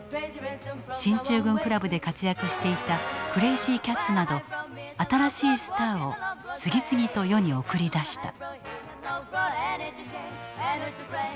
進駐軍クラブで活躍していたクレイジー・キャッツなど新しいスターを次々と世に送り出した。